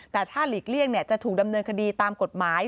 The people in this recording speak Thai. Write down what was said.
แต่ถ้าหลีกเลี่ยงจะถูกดำเนินคดีตามกฎหมาย